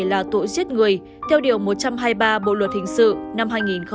là tội giết người theo điều một trăm hai mươi ba bộ luật hình sự năm hai nghìn một mươi năm